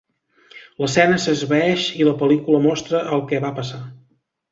L'escena s'esvaeix i la pel·lícula mostra el que va passar.